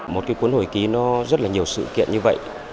một cái cuốn hồi ký nó rất là nhiều sự kiện như vậy